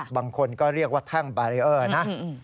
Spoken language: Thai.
บางคนก็เรียกว่าแท่งบารีเออร์นะ